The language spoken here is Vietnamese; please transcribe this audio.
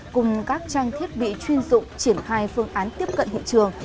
cùng các trang thiết bị chuyên dụng triển khai phương án tiếp cận hiện trường